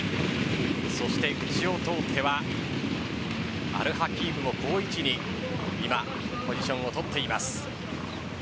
そして内を通ってはアルハキームも好位置に今、ポジションを取っています。